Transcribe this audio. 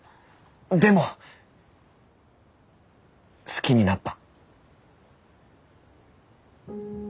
でも好きになった。